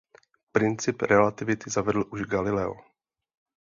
Princip relativity zavedl už Galileo.